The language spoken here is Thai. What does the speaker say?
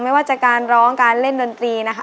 ไม่ว่าจะการร้องการเล่นดนตรีนะคะ